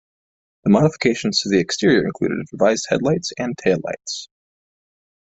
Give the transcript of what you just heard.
The modifications to the exterior included revised headlights and taillights.